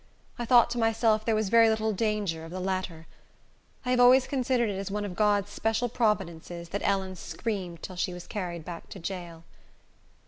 I thought to myself there was very little danger of the latter. I have always considered it as one of God's special providences that Ellen screamed till she was carried back to jail.